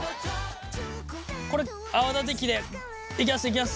これ泡立て器でいきますいきます。